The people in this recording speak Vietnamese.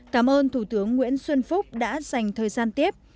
cảm ơn thủ tướng nguyễn xuân phúc đã dành thời gian tiếp